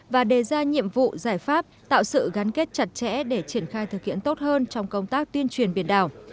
và đề ra nhiệm vụ giải pháp tạo sự gắn kết chặt chẽ để triển khai thực hiện tốt hơn trong công tác tuyên truyền biển đảo